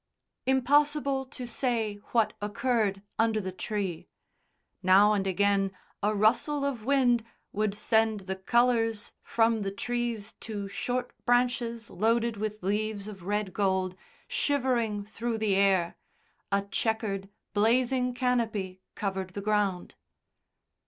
Impossible to say what occurred under the tree. Now and again a rustle of wind would send the colours from the trees to short branches loaded with leaves of red gold, shivering through the air; a chequered, blazing canopy covered the ground.